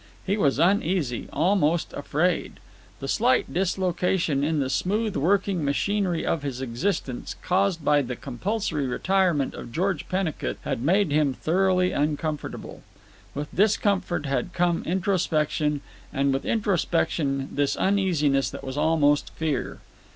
He was uneasy, almost afraid. The slight dislocation in the smooth working machinery of his existence, caused by the compulsory retirement of George Pennicut, had made him thoroughly uncomfortable. With discomfort had come introspection, and with introspection this uneasiness that was almost fear.